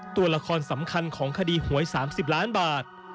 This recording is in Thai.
ตัวละครสำคัญของคดีหวย๓๐ล้านบาท